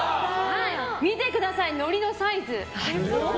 見てください、のりのサイズ。